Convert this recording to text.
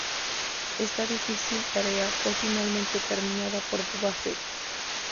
Esta difícil tarea fue finalmente terminada por Boba Fett.